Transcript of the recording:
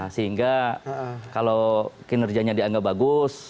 sehingga kalau kinerjanya dianggap bagus